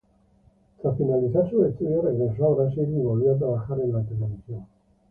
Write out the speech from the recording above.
Tras finalizar sus estudios regresó a Brasil y volvió a trabajar en la televisión.